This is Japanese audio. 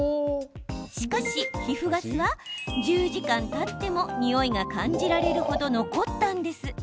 しかし、皮膚ガスは１０時間たってもにおいが感じられる程残ったんです。